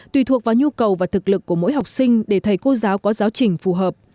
tùy thuộc vào nhu cầu và thực lực của mỗi học sinh để thầy cô giáo có giáo trình phù hợp